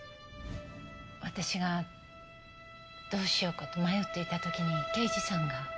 私がどうしようかと迷っていた時に刑事さんが。